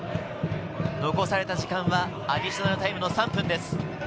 残された時間はアディショナルタイムの３分です。